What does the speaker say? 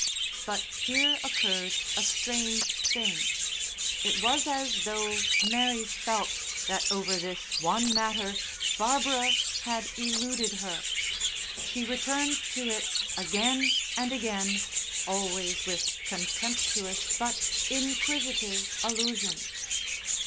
But here occurred a strange thing. It was as though Mary felt that over this one matter Barbara had eluded her; she returned to it again and again, always with contemptuous but inquisitive allusion.